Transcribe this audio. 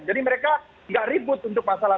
jadi mereka nggak ribut untuk masalah